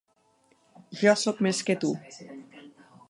Jo soc més que tu.